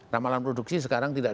ramalan produksi sekarang di mana